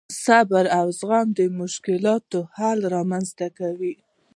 صبر او زغم د مشکلاتو حل رامنځته کوي.